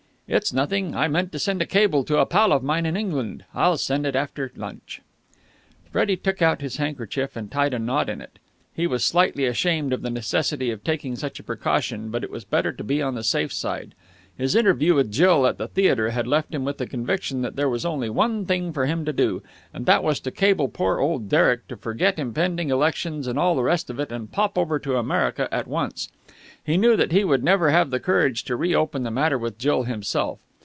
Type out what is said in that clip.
"It's nothing. I meant to send a cable to a pal of mine in England, I'll send it after lunch." Freddie took out his handkerchief, and tied a knot in it. He was slightly ashamed of the necessity of taking such a precaution, but it was better to be on the safe side. His interview with Jill at the theatre had left him with the conviction that there was only one thing for him to do, and that was to cable poor old Derek to forget impending elections and all the rest of it and pop over to America at once. He knew that he would never have the courage to re open the matter with Jill himself.